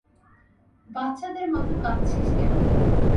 বাচ্চাদের মতো কাঁদছিস কেন?